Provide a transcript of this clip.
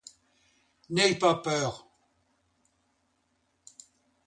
N'aie pas peur.